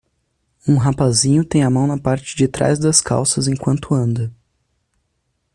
Um rapazinho tem a mão na parte de trás das calças enquanto anda.